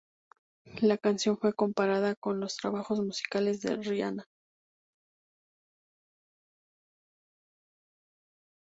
La canción fue comparada con los trabajos musicales de Rihanna.